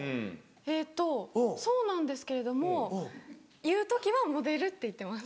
えっとそうなんですけれども言う時はモデルって言ってます。